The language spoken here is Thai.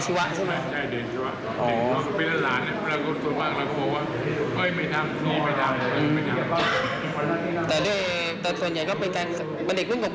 ใช่ครับ